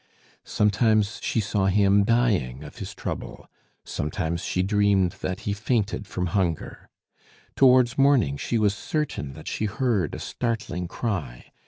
Sometimes she saw him dying of his trouble, sometimes she dreamed that he fainted from hunger. Towards morning she was certain that she heard a startling cry.